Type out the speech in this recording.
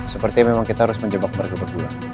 sepertinya memang kita harus menjebak mereka berdua